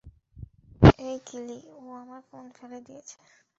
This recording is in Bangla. এই কিলি, ও আমার ফোন ফেলে দিয়েছে!